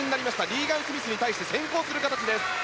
リーガン・スミスに対して先行する形です